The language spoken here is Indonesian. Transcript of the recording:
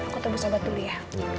aku tebus obat dulu ya